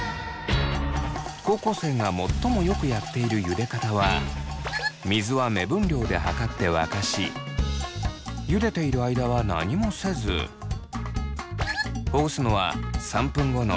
高校生が最もよくやっているゆで方は水は目分量ではかって沸かしゆでている間は何もせずほぐすのは３分後のゆで上がりのタイミングです。